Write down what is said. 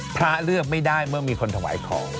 พระเลือกไม่ได้เมื่อมีคนถวายของ